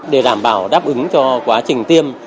để đảm bảo đáp ứng cho quá trình tiêm